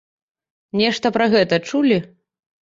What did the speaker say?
Нешта пра гэта чулі?